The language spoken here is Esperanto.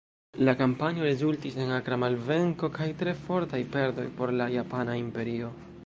La kampanjo rezultis en akra malvenko kaj tre fortaj perdoj por la Japana Imperio.